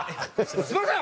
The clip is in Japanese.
すいません！